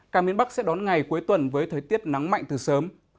cả miền bắc sẽ đón ngày cuối tuần với thời tiết nắng mạnh từ sớm